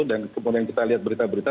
dan kemudian kita lihat berita berita